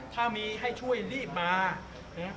ถ้ามีให้ช่วยรีบมานะ